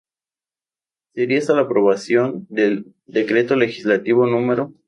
Sería hasta la aprobación del Decreto Legislativo No.